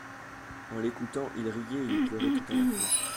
En l'écoutant, il riait et il pleurait tout à la fois.